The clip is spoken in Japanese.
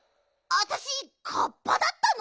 あたしカッパだったの！？